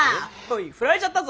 フラれちゃったぞ。